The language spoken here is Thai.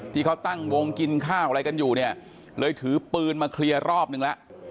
ที่เขาตั้งวงกินข้าวอะไรกันอยู่เนี่ยเลยถือปืนมาเคลียร์รอบนึงแล้ว